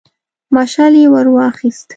مشعل يې ور واخيست.